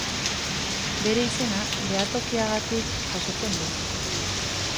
Bere izena behatokiagatik jasotzen du.